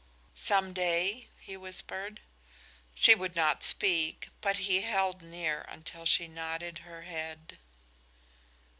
"Some day?" he whispered. She would not speak, but he held leer until she nodded her head.